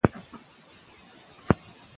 که ښوونه بنده سي، فقر زیاتېږي.